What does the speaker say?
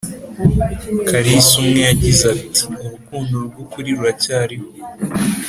karisa umwe yagize ati “urukundo rw’ukuri ruracyariho